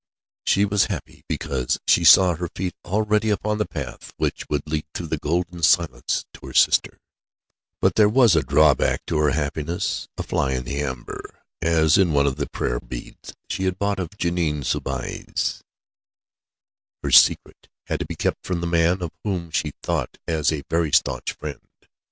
She was happy, because she saw her feet already upon the path which would lead through the golden silence to her sister; but there was a drawback to her happiness a fly in the amber, as in one of the prayer beads she had bought of Jeanne Soubise: her secret had to be kept from the man of whom she thought as a very staunch friend.